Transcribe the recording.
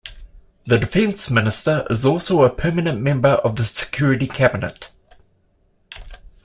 The Defense Minister is also a permanent member of the Security Cabinet.